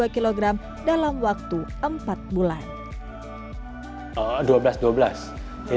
sembilan puluh dua k dalau hai semua provided sein